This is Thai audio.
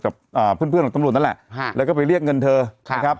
กับเพื่อนเพื่อนของตำรวจนั่นแหละแล้วก็ไปเรียกเงินเธอนะครับ